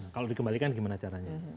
kalau dikembalikan gimana caranya